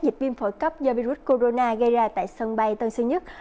dịch viêm phổi cấp do virus corona gây ra tại sân bay tân sơn nhất